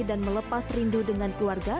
dan melepas rindu dengan keluarga